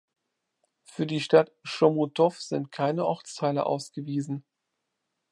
Für die Stadt Chomutov sind keine Ortsteile ausgewiesen.